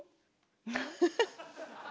フフフッ。